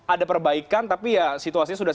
ada perbaikan tapi ya situasinya sudah